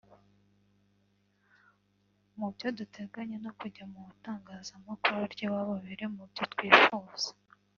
Mu byo duteganya no kujya mu itangazamakuru ry’iwabo biri mu byo twifuza